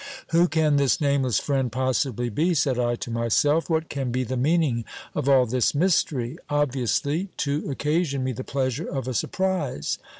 Who can this nameless friend possibly be ? said I to myself. What can be the meaning of all this mystery ? Obviously to occasion me the pleasure of a surprise.